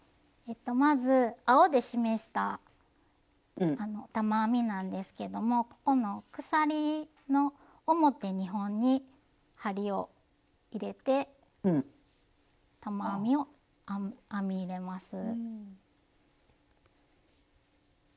まず青で示した玉編みなんですけどもここの鎖の表２本に針を入れて玉編みを編み入れます。